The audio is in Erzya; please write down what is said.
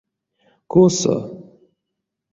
Косо?